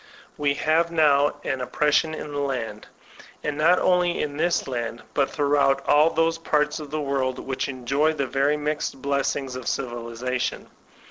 We have now an oppression in the land, — and not only in this land, but throughout all those parts of the world which enjoy the very mixed blessings of Civilization.